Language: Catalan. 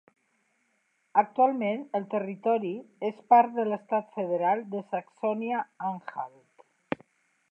Actualment el territori és part de l'estat federal de Saxònia-Anhalt.